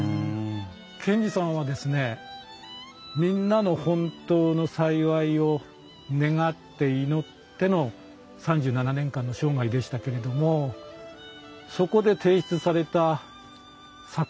賢治さんはみんなの本当の幸いを願って祈っての３７年間の生涯でしたけれどもそこで提出された作品生き方はですね